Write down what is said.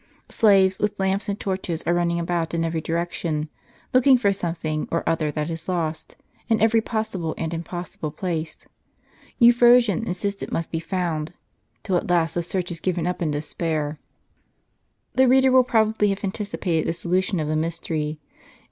Slaves, with lamps and torches, are running about in every direction, looking for something or other that is lost, in every possible and impossible place. Eu])hrosyne insists it must be found ; till at last the search is given up in despair. The reader will probably have anticipated the solution of the mystery.